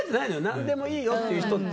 何でもいいよって答える人は。